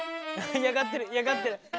嫌がってる嫌がってる。